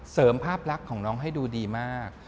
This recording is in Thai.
เสริมภาพรักของน้องให้ดูดีมาก